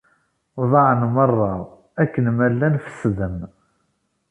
Ḍaɛen merra, akken ma llan fesden.